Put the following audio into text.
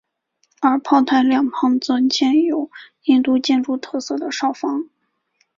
而炮台两旁则建有印度建筑特色的哨房。